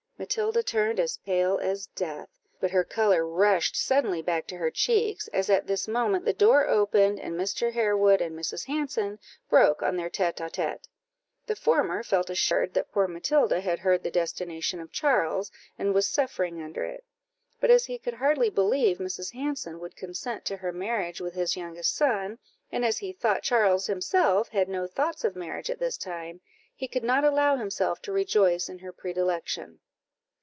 Matilda turned as pale as death; but her colour rushed suddenly back to her cheeks, as at this moment the door opened, and Mr. Harewood and Mrs. Hanson broke on their tête à tête. The former felt assured that poor Matilda had heard the destination of Charles, and was suffering under it; but as he could hardly believe Mrs. Hanson would consent to her marriage with his youngest son, and as he thought Charles himself had no thoughts of marriage at this time, he could not allow himself to rejoice in her predilection.